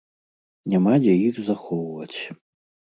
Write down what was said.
Няма дзе іх захоўваць.